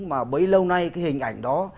mà bấy lâu nay cái hình ảnh đó